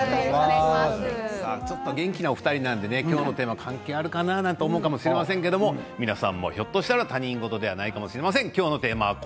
元気なお二人なので今日のテーマは関係あるかなと思うんですが皆さんもひょっとしたら他人事ではないかもしれません。